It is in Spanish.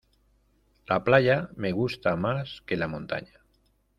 La playa me gusta más que la montaña.